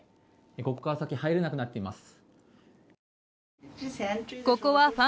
ここから先入れなくなっています。